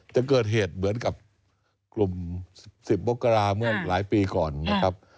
จะเกิดเหตุเหมือนกับกลุ่ม๑๐มกราเมื่อหลายปีก่อนนะครับ